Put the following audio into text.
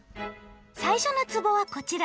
最初のつぼはこちら。